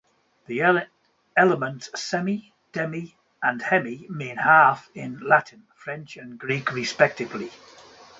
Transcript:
The elements "semi-", "demi-" and "hemi-" mean 'half' in Latin, French and Greek respectively.